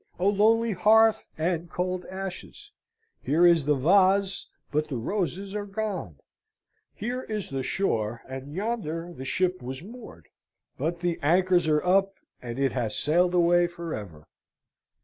O lonely hearth and cold ashes! Here is the vase, but the roses are gone; here is the shore, and yonder the ship was moored; but the anchors are up, and it has sailed away for ever.